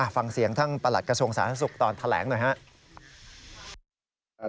ฟังเสียงท่านประหลัดกระทรวงสาธารณสุขตอนแถลงหน่อยครับ